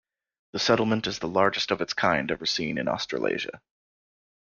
The settlement is the largest of its kind ever seen in Australasia.